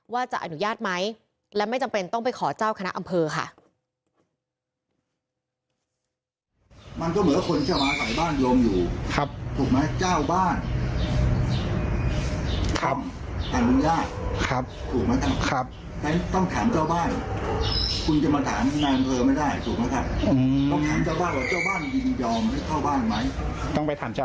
ว่าจะอนุญาตไหมและไม่จำเป็นต้องไปขอเจ้าคณะอำเภอค่ะ